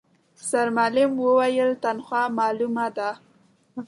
سرمعلم وويل، تنخوا مالومه ده.